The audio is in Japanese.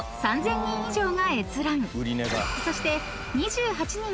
［そして］